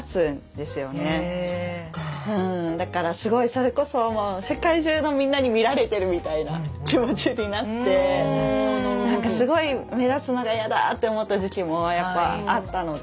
だからすごいそれこそもう世界中のみんなに見られてるみたいな気持ちになってすごい目立つのが嫌だって思った時期もやっぱあったので。